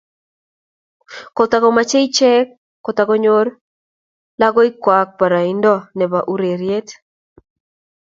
kotakomochei icheek kotakonyoru lakoikwach boroindo nebo ureryet